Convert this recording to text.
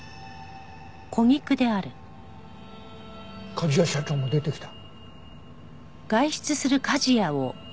梶谷社長も出てきた。